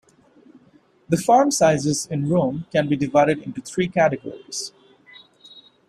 The farm sizes in Rome can be divided into three categories.